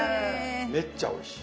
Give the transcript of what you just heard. めっちゃおいしい。